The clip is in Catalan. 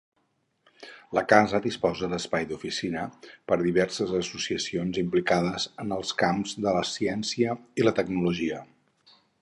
La casa disposa d'espai d'oficina per a diverses associacions implicades en els camps de les ciència i la tecnologia.